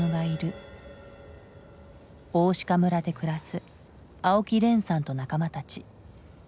大鹿村で暮らす青木連さんと仲間たち。